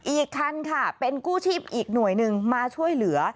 อีกคันค่ะเป็นกู้ชีพอีกหน่วยหนึ่งมาช่วยเหลือ